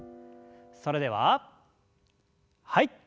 それでははい。